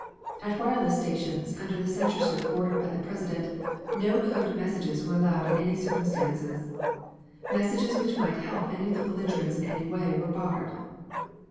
At wireless stations, under the censorship ordered by the President, no code messages were allowed in any circumstances. Messages which might help any of the belligerents in any way were barred.